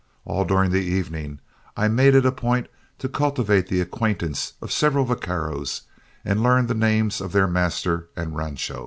All during the evening, I made it a point to cultivate the acquaintance of several vaqueros, and learned the names of their master and rancho.